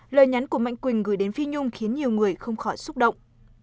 lời nhắn của mạnh quỳnh gửi đến phi nhung khiến nhiều người không khỏi xúc động